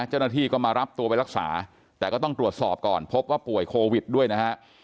เจ้าหน้าที่ก็มารับตัวไปรักษาแต่ก็ต้องตรวจสอบก่อนพบว่าป่วยโควิดด้วยนะฮะ